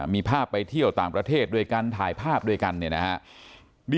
มีภาพไปเที่ยวต่างประเทศด้วยกันถ่ายภาพด้วยกันเนี่ยนะฮะ